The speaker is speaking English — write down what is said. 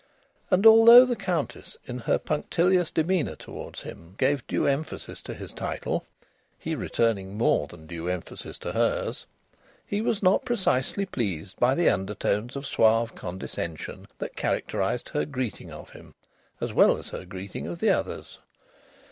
And although the Countess, in her punctilious demeanour towards him, gave due emphasis to his title (he returning more than due emphasis to hers), he was not precisely pleased by the undertones of suave condescension that characterised her greeting of him as well as her greeting of the others.